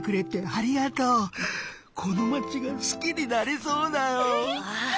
このまちがすきになれそうだよ。